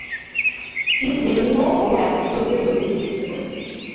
তিনি জেরোনিমো ও অ্যাপাচি গোত্রের লোকদের চিকিৎসা করেছিলেন।